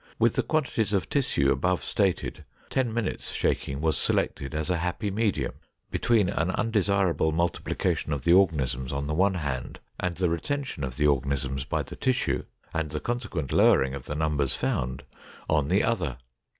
With the quantities of tissue above stated, ten minutes' shaking was selected as a happy medium between an undesirable multiplication of the organisms on the one hand and the retention of the organisms by the tissue and the consequent lowering of the numbers found, on the other."